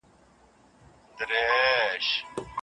آيا په هېواد کي د مطالعې کلتور د غوړېدو په حال کي دی؟